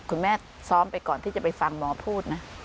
คุณแม่ซ้อมไปก่อนที่จะไปฟังหมอพูดนะ